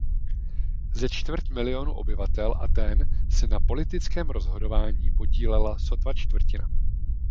Ze čtvrt milionu obyvatel Athén se na politickém rozhodování podílela sotva čtvrtina.